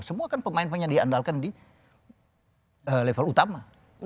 semua kan pemain pemain yang diandalkan di level utama